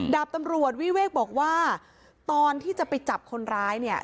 ดาบตำรวจวิเวกบอกว่าตอนที่จะไปจับคนร้ายเนี่ย